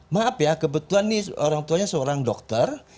maaf ya kebetulan nih orang tuanya seorang dokter